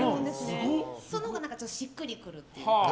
そのほうがしっくりくるというか。